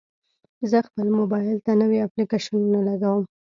زه خپل موبایل ته نوي اپلیکیشنونه لګوم.